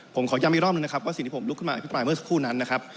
ผมขอย้ำอีกรอบหนึ่งนะครับว่าสิ่งที่ผมลุกขึ้นมาอภิปรายเมื่อสักครู่นั้นนะครับ